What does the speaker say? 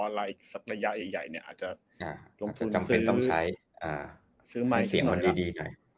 ให้เสียงมันดีหน่อย